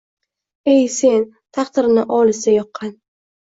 Ey sen, taqdirini olisda yoqqan